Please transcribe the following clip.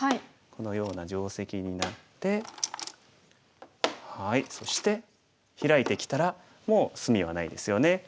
このような定石になってそしてヒラいてきたらもう隅はないですよね。